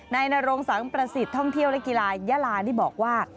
นรงสังประสิทธิ์ท่องเที่ยวและกีฬายาลานี่บอกว่า